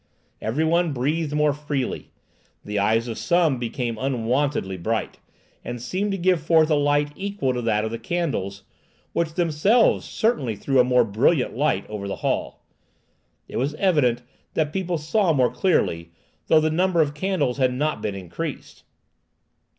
Every one breathed more freely. The eyes of some became unwontedly bright, and seemed to give forth a light equal to that of the candles, which themselves certainly threw a more brilliant light over the hall. It was evident that people saw more clearly, though the number of candles had not been increased.